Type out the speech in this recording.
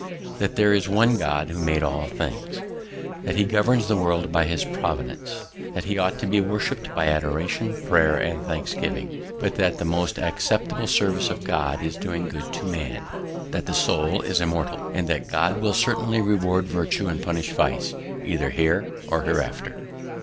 "That there is one God, who made all things. "That he governs the world by his providence. "That he ought to be worshiped by adoration, prayer, and thanksgiving. "But that the most acceptable service of God is doing good to man. "That the soul is immortal. "And that God will certainly reward virtue and punish vice, either here or hereafter."